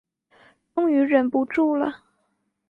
终于忍不住了